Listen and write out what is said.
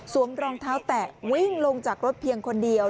รองเท้าแตะวิ่งลงจากรถเพียงคนเดียว